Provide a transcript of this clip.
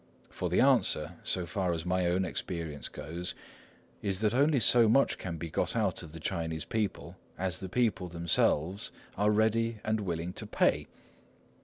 For the answer, so far as my own experience goes, is that only so much can be got out of the Chinese people as the people themselves are ready and willing to pay.